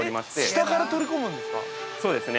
◆下から取り込むんですか。